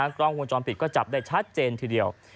กล้องกรรมพูดจอมพิษก็จับได้ชัดเจนทีเดียว